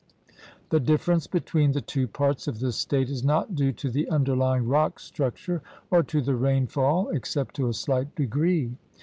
The difference between the two parts of the State is not due to the underlying rock struc ture or to the rainfall except to a slight degree.